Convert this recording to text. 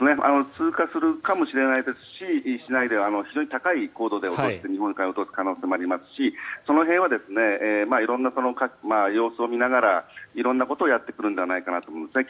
通過するかもしれないですししないで非常に高い高度で日本海に落とす可能性もありますしその辺は色んな様子を見ながら色んなことをやってくるんじゃないかと思いますね。